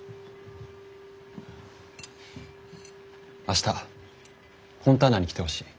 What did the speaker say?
明日フォンターナに来てほしい。